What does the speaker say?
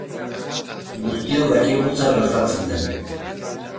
Guztiok dakigu zer gertatzen den.